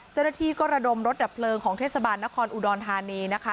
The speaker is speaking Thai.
เจ้าหน้าที่ก็ระดมรถดับเพลิงของเทศบาลนครอุดรธานีนะคะ